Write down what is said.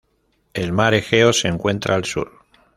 El Mar Egeo se encuentra al sur.